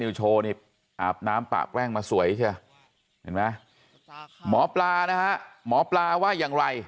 โชว์นี่อาบน้ำปะแป้งมาสวยใช่ไหมหมอปลานะฮะหมอปลาว่าอย่างไร